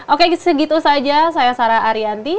oke segitu saja saya sarah arianti